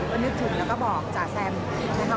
ก็นึกถึงแล้วก็บอกจ๋าแซมนะคะ